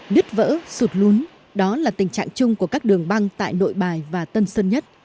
nứt vỡ sụt lún đó là tình trạng chung của các đường băng tại nội bài và tân sơn nhất